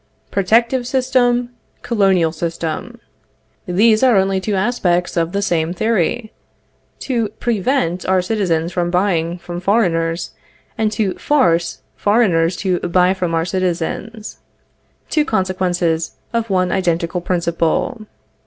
Protective System; Colonial System. These are only two aspects of the same theory. To prevent our citizens from buying from foreigners, and to force foreigners to buy from our citizens. Two consequences of one identical principle.